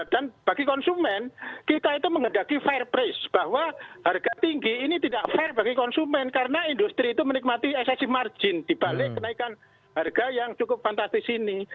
dan bagi konsumen kita itu mengedaki fair price bahwa harga tinggi ini tidak fair bagi konsumen karena industri itu menikmati excessive margin dibalik kenaikan harga yang cukup fantastis ini